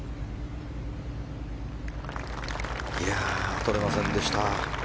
取れませんでした。